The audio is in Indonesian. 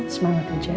semangat mbak mirna